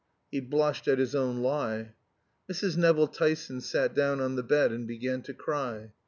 He blushed at his own lie. Mrs. Nevill Tyson sat down on the bed and began to cry.